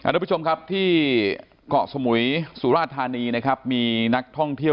ทุกผู้ชมครับที่เกาะสมุยสุราธานีนะครับมีนักท่องเที่ยว